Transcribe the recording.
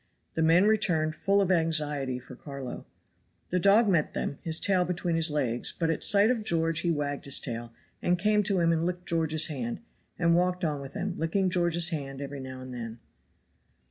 The men returned full of anxiety for Carlo. The dog met them, his tail between his legs, but at sight of George he wagged his tail, and came to him and licked George's hand, and walked on with them, licking George's hand every now and then.